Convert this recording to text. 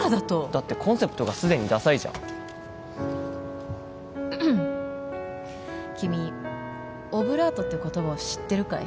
だってコンセプトがすでにダサいじゃん君オブラートっていう言葉を知ってるかい？